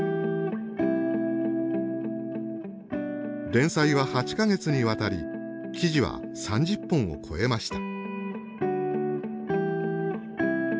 連載は８か月にわたり記事は３０本を超えました。